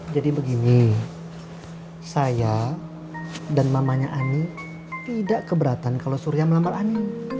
jadi begini saya dan mamanya ani tidak keberatan kalau surya melambat ani